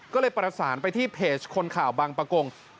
ก็เลยประสานไปที่เพจคนข่าวบางประกง